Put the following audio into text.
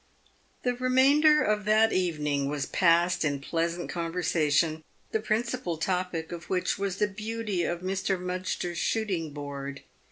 The remainder of that evening was passed in pleasant conversation, the principal topic of which was the beauty of Mr. Mudgster's shoot ing board.